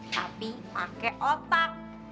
tapi pake otak